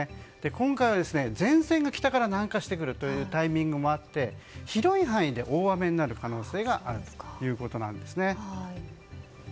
今回は、前線が北から南下してくるというタイミングがあって広い範囲で大雨になる可能性があるということです。